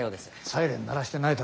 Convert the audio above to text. サイレン鳴らしてないだろうな。